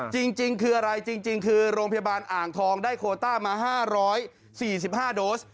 จริงคืออะไรจริงคือโรงพยาบาลอ่างทองได้โคต้ามา๕๔๕โดส